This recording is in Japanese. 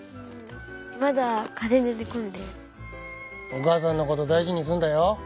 お母さんのこと大事にすんだよ。